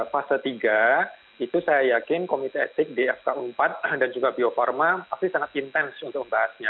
fase tiga itu saya yakin komite etik di fk empat dan juga bio farma pasti sangat intens untuk membahasnya